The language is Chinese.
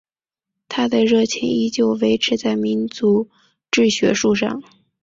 他的热情依旧维持在民族志学术上。